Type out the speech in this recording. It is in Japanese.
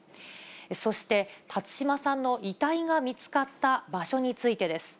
そして、辰島さんの遺体が見つかった場所についてです。